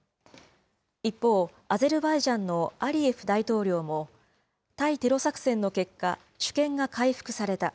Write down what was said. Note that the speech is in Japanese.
一方、アゼルバイジャンのアリエフ大統領も対テロ作戦の結果、主権が回復された。